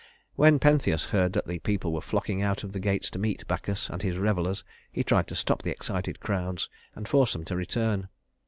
When Pentheus heard that the people were flocking out of the gates to meet Bacchus and his revelers, he tried to stop the excited crowds and force them to return.